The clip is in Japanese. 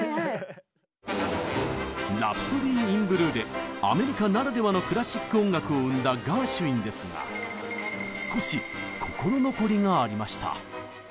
「ラプソディー・イン・ブルー」でアメリカならではのクラシック音楽を生んだガーシュウィンですが少し心残りがありました。